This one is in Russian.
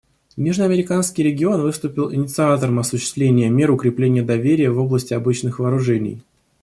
Южноамериканский регион выступил инициатором осуществления мер укрепления доверия в области обычных вооружений.